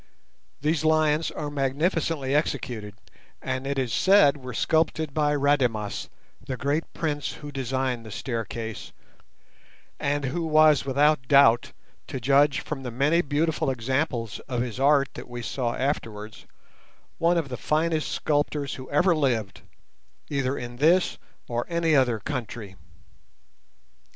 These lions are magnificently executed, and it is said were sculptured by Rademas, the great prince who designed the staircase, and who was without doubt, to judge from the many beautiful examples of his art that we saw afterwards, one of the finest sculptors who ever lived, either in this or any other country.